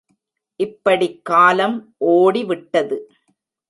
இப்படிக் காலம் ஓடிவிட்டது.